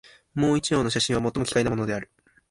もう一葉の写真は、最も奇怪なものである